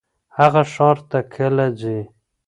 هغه ښار ته کله ځي؟